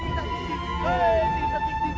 sebaiknya aku cari aja